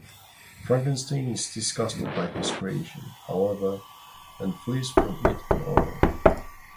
Frankenstein is disgusted by his creation, however, and flees from it in horror.